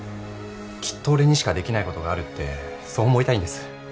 きっと俺にしかできないことがあるってそう思いたいんです。